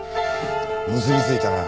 結びついたな。